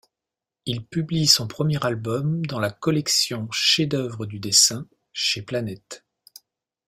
Il publie son premier album dans la collection Chefs-d'œuvre du dessin chez Planète.